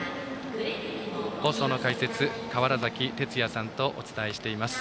放送の解説、川原崎哲也さんとお伝えしています。